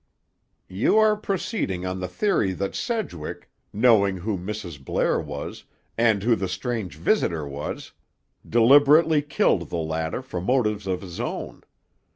"You are proceeding on the theory that Sedgwick, knowing who Mrs. Blair was, and who the strange visitor was, deliberately killed the latter for motives of his own.